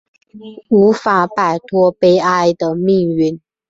无法摆脱悲哀的命运